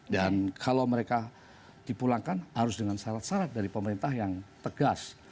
dan kalau mereka dipulangkan harus dengan syarat syarat dari pemerintah yang tegas